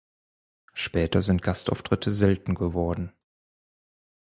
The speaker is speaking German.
Später sind Gastauftritte selten geworden.